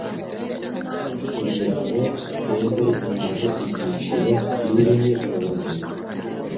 kugirango uteze imbere ibyiciro byinhi mubuzima